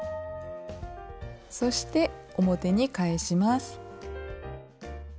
そして表に返します。